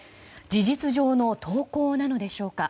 事実上の投降なのでしょうか。